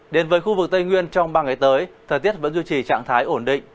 đến với khu vực tây nguyên trong ba ngày tới thời tiết vẫn duy trì trạng thái ổn định